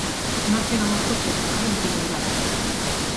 Non chegan os coches, hai un piñeiral.